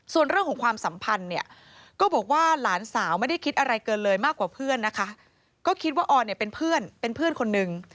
ส่วนเรื่องของความสัมพันธ์เนี่ยก็บอกว่าหลานสาวไม่ได้คิดอะไรเกินเลยมากกว่าเพื่อนนะคะก็คิดว่าออนเนี่ยเป็นเพื่อนเป็นเพื่อนคนนึง